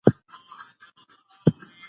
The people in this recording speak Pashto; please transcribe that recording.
ناسا دا اندېښنه رد کړه.